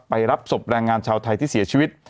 รับศพแรงงานชาวไทยที่เสียชีวิต